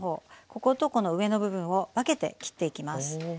こことこの上の部分を分けて切っていきます。